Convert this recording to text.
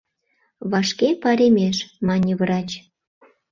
Вашке паремеш, — мане врач.